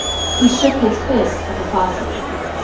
He shook his fist at the faucet.